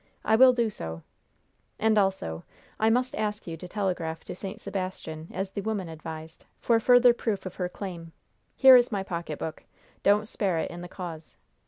"I will do so." "And, also, I must ask you to telegraph to St. Sebastian, as the woman advised, for further proof of her claim. Here is my pocketbook. Don't spare it in the cause.